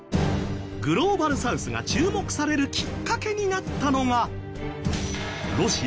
グローバルサウスが注目されるきっかけになったのが。